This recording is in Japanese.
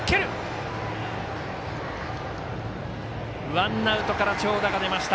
ワンアウトから長打が出ました。